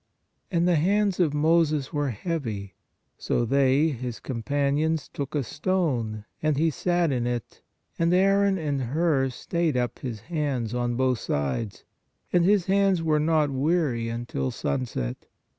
And the hands of Moses were heavy; so they (his companions) took a stone, and he sat in it, and Aaron and Hur stayed up his hands on both sides; and his hands were not weary until sunset.